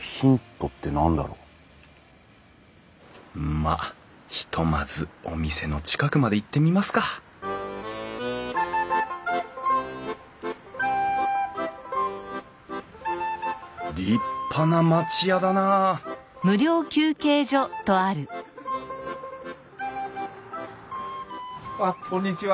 まあひとまずお店の近くまで行ってみますか立派な町屋だなああっこんにちは。